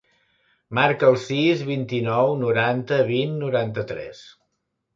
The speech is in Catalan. Marca el sis, vint-i-nou, noranta, vint, noranta-tres.